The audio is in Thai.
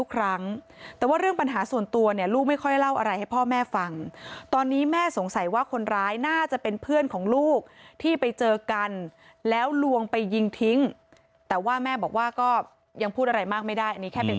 คิดไม่ต้องว่าเป็นทำไมขนาดนี้มันเร็งกว่านี้ทำไมมันไม่เป็นดูเลยอยู่ที่นี่ทำไมมันโดนมันนี้ทำโหดรายเกินมันไม่ได้นี่